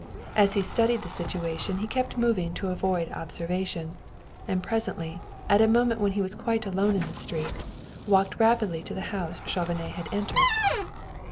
As he studied the situation he kept moving to avoid observation, and presently, at a moment when he was quite alone in the street, walked rapidly to the house Chauvenet had entered.